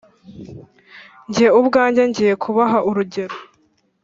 jye ubwanjye ngiye kubaha urugero